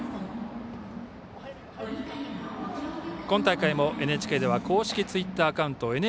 今大会もＮＨＫでは公式ツイッターアカウント